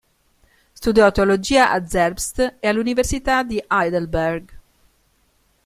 Studiò teologia a Zerbst e all'Università di Heidelberg.